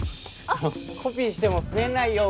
あのコピーしても増えないよ